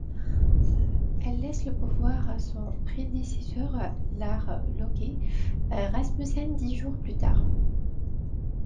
Elle laisse le pouvoir à son prédécesseur Lars Løkke Rasmussen dix jours plus tard.